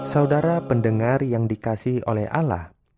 saudara pendengar yang dikasih oleh allah